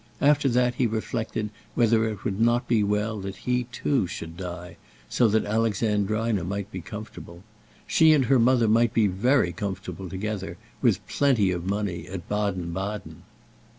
After that he reflected whether it would not be well that he too should die, so that Alexandrina might be comfortable. She and her mother might be very comfortable together, with plenty of money, at Baden Baden!